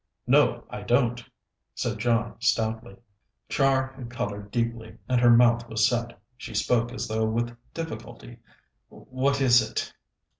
"No, I don't," said John stoutly. Char had coloured deeply and her mouth was set. She spoke as though with difficulty. "What is it?"